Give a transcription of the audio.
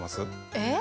えっ⁉